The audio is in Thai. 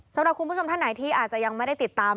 สำหรับคุณผู้ชมท่านไหนที่อาจจะยังไม่ได้ติดตาม